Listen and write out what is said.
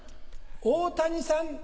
大谷さん